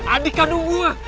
adik kandung gue